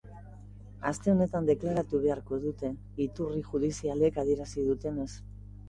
Aste honetan deklaratu beharko dute, iturri judizialek adierazi dutenez.